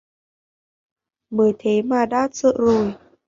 mới thế mà đã sợ rồi